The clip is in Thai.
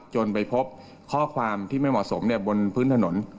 จนไปพบข้อความที่ไม่เหมาะสมบนพื้นถนน